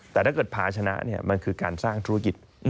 แต่ถ้าเกิดพาชนะมันคือการสร้างธุรกิจ